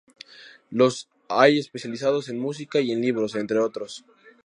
Los hay especializados en música y en libros, entre otros.